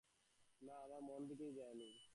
না, আমার মন ও দিকেই যায় নি।